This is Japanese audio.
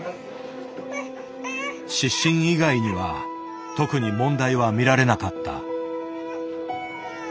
湿疹以外には特に問題は見られなかった。